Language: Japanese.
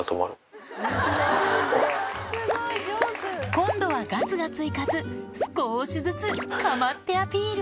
今度はがつがつ行かず少しずつ構ってアピール